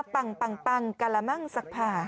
ปังกะละมั่งสักผ่า